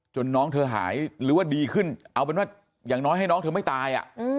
น้องเธอหายหรือว่าดีขึ้นเอาเป็นว่าอย่างน้อยให้น้องเธอไม่ตาย